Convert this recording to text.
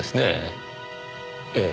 ええ。